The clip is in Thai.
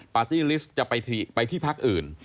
ปาร์ตี้ลิสต์จะไปที่พักอื่น